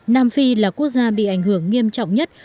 nam phi là quốc gia bị ảnh hưởng nghiêm trọng nhất